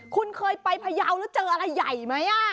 คุณเคยไปพยาวแล้วเจออะไรใหญ่ไหม